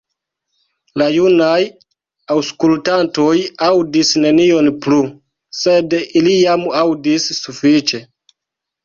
La junaj aŭskultantoj aŭdis nenion plu, sed ili jam aŭdis sufiĉe.